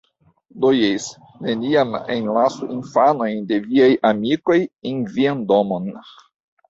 Do jes, neniam enlasu infanojn de viaj amikoj en vian domon.